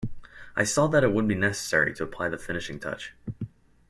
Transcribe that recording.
I saw that it would be necessary to apply the finishing touch.